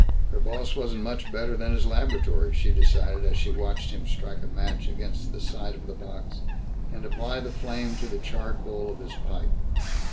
Her boss wasn't much better than his laboratory, she decided as she watched him strike a match against the side of the box and apply the flame to the charred bowl of his pipe.